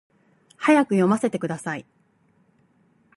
早く読ませてください